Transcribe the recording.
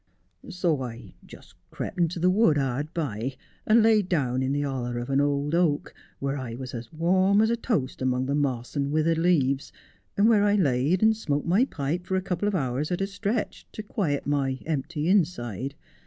' So I just crep into the wood hard by, and laid down in the holler of a old oak, where I was as warm as a toast among the moss and withered leaves, and where I laid and smoked my pipe for a couple of hours at a stretch to quiet my empty inside.